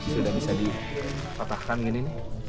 sudah bisa dikotakkan gini nih